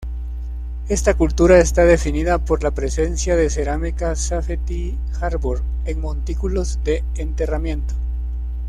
Esta cultura está definida por la presencia de cerámica Safety-Harbor en montículos de enterramiento.